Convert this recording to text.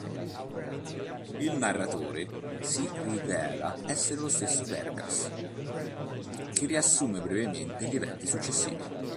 Il narratore si rivela essere lo stesso Vegas, che riassume brevemente gli eventi successivi.